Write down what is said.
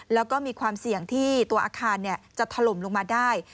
แล้วก็มีความเสี่ยงที่ตัวอาคารจะถล่มลงมาได้